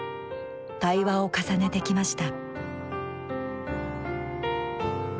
対話を重ねてきました。